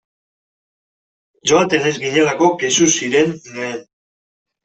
Joaten ez ginelako kexu ziren lehen.